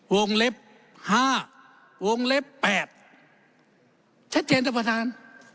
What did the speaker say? วงเล็บห้าวงเล็บแปดชัดเจนครับประธาน